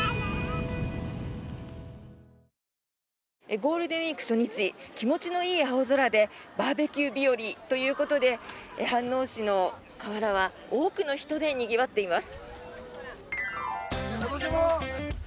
ゴールデンウィーク初日気持ちのいい青空でバーベキュー日和ということで飯能市の河原は多くの人でにぎわっています。